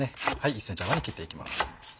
１ｃｍ幅に切っていきます。